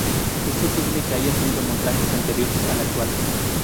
Es posible que haya tenido montajes anteriores al actual.